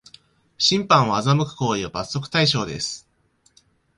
審判を欺く行為は罰則対象です